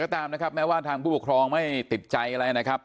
แต่ว่าทางผู้ปกครองไม่ติดใจอะไรนะครับ